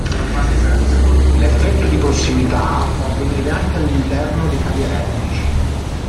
L'effetto di prossimità può avvenire anche all'interno dei cavi elettrici.